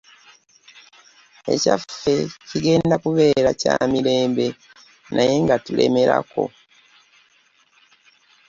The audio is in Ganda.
Ekyaffe kigenda kubeera kya mirembe naye nga tulemerako.